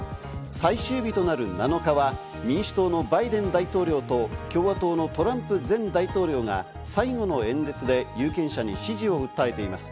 最終日となる７日は民主党のバイデン大統領と共和党のトランプ前大統領が最後の演説で有権者に支持を訴えています。